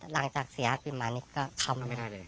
หลังจาก๔๕ปีมานี้ก็เข้าไม่ได้เลย